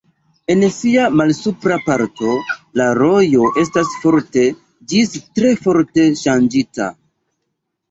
En sia malsupra parto la rojo estas forte ĝis tre forte ŝanĝita.